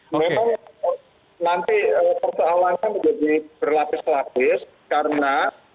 memang nanti persoalannya menjadi berlapis lapis karena